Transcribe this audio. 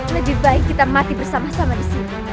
lebih baik kita mati bersama sama di sini